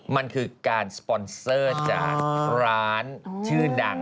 มันคือการสปอนเซอร์จากร้านชื่อดัง